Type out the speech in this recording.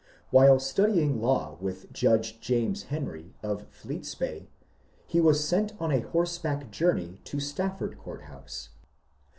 While studying law with Judge James Henry of Fleete's Bay, he was sent on a horseback journey to Stafford Court House.